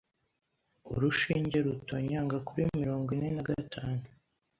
Urushinge rutonyanga kuri mirongo ine na gatanu